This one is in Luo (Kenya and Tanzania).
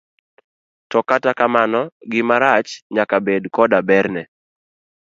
To kata kamano, gima rach nyaka bed koda berne.